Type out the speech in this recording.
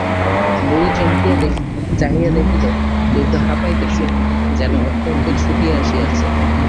বুড়ি চমকিয়া চাহিয়া দেখিল দুর্গা হাঁপাইতেছে, যেন অত্যন্ত ছুটিয়া আসিয়াছে।